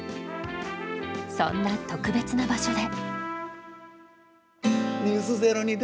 そんな特別な場所で。